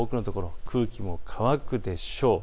空気も乾くでしょう。